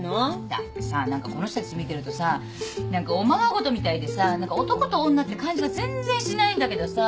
だってさ何かこの人たち見てるとさ何かおままごとみたいでさ男と女って感じが全然しないんだけどさ。